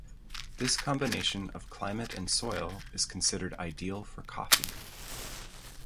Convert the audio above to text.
This combination of climate and soil is considered ideal for coffee.